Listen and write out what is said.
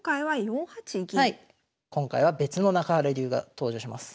今回は別の中原流が登場します。